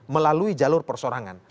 melalui jalur persorangan